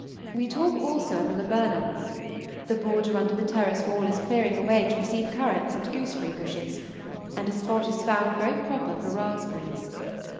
We talk also of a laburnum. The border under the terrace wall is clearing away to receive currants and gooseberry bushes, and a spot is found very proper for raspberries.